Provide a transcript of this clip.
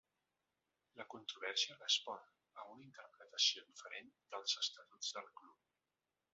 La controvèrsia respon a una interpretació diferent dels estatuts del club.